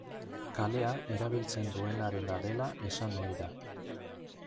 Kalea erabiltzen duenarena dela esan ohi da.